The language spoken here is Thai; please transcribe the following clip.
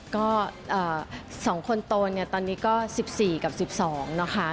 ก็สองคนโตตอนนี้ก็๑๔กับ๑๒นะคะ